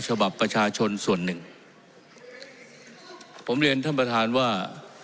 ฉบับประชาชนส่วนหนึ่งผมเรียนท่านประธานว่า